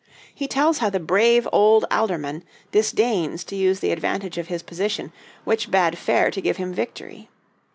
He tells how the brave old Aldorman disdains to use the advantage of his position, which bade fair to give him victory.